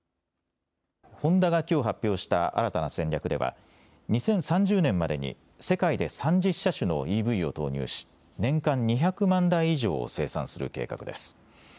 ホンダがきょう発表した新たな戦略では２０３０年までに世界で３０車種のＥＶを投入し年間２００万台以上を生産する計画です。